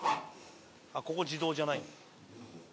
あっここ自動じゃないんだ。